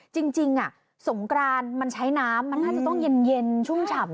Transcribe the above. จริงสงกรานมันใช้น้ำมันน่าจะต้องเย็นชุ่มฉ่ำ